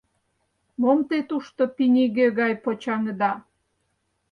Мом те тушто пинеге гай почаҥыда?